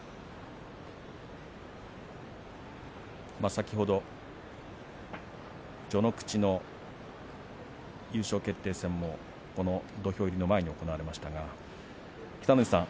先ほど序ノ口の優勝決定戦もこの土俵入りの前に行われましたが北の富士さん